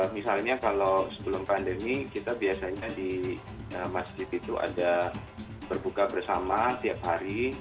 misalnya kalau sebelum pandemi kita biasanya di masjid itu ada berbuka bersama tiap hari